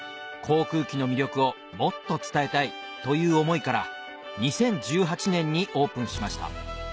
航空機の魅力をもっと伝えたいという思いから２０１８年にオープンしました